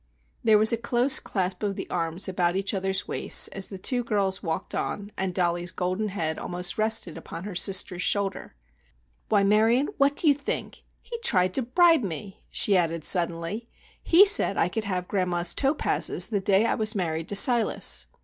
There was a close clasp of the arms about each other's waists as the two girls walked on and Dollie's golden head almost rested upon her sister's shoulder. "Why, Marion, what do you think! He tried to bribe me," she added, suddenly. "He said I could have grandma's topazes the day I was married to Silas."